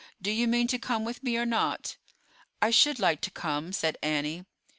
Do you mean to come with me or not?" "I should like to come," said Annie.